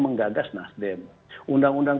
menggagas nasdem undang undang